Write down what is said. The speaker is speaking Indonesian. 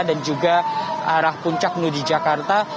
dan juga arah puncak menuju jakarta